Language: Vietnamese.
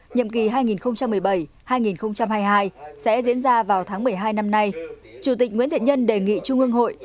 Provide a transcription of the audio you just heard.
nhiệm kỳ hai nghìn một mươi bảy hai nghìn hai mươi hai sẽ diễn ra vào tháng một mươi hai năm nay chủ tịch nguyễn thiện nhân đề nghị trung ương hội